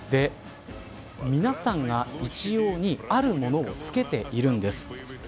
皆さんが一様にあるものを着けているんです。